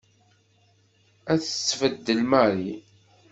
Ad tt-tbeddel Mary.